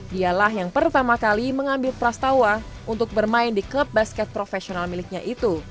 dialah yang pertama kali mengambil prastawa untuk bermain di klub basket profesional miliknya itu